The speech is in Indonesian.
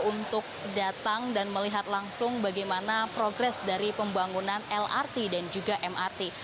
untuk datang dan melihat langsung bagaimana progres dari pembangunan lrt dan juga mrt